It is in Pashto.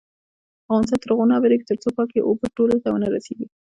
افغانستان تر هغو نه ابادیږي، ترڅو پاکې اوبه ټولو ته ونه رسیږي.